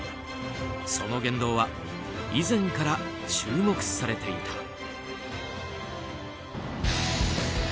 その言動は以前から注目されていた。